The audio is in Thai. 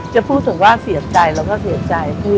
จะพูดถึงว่าเสียบใจเราก็เสียบใจ